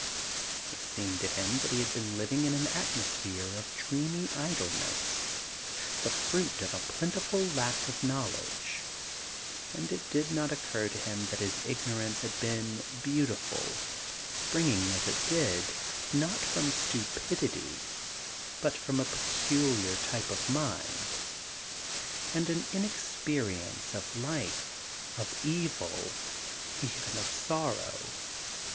It seemed to him that he had been living in an atmo sphere of dreamy idealism, the fruit of a plentiful lack of knowledge ; and it did not occur to him that his ignorance had been beautiful, springing, as it did, not from stupidity, but from a peculiar type of mind, and an inexperience of life, of evil, even of sorrow.